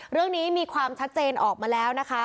เรื่องนี้มีความชัดเจนออกมาแล้วนะคะ